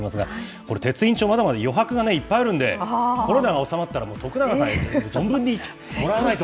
これ、鉄印帳、まだまだ余白がいっぱいあるんで、コロナが収まったら徳永さんに、存分に行ってもらわないと。